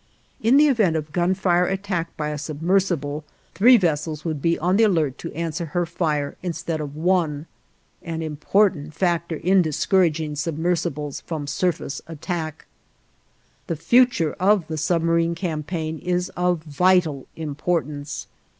In the event of gunfire attack by a submersible, three vessels would be on the alert to answer her fire instead of one: an important factor in discouraging submersibles from surface attack! The future of the submarine campaign is of vital importance.